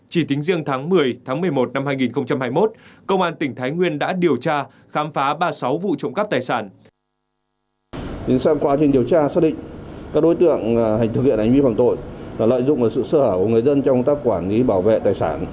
chỉ tính riêng tháng một mươi tháng một mươi một năm hai nghìn hai mươi một công an tỉnh thái nguyên đã điều tra khám phá ba mươi sáu vụ trộm cắp tài sản